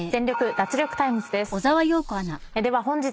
脱力タイムズ』です。